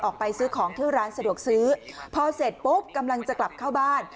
ออกไปซื้อของที่ร้านสะดวกซื้อพอเสร็จปุ๊บกำลังจะกลับเข้าบ้าน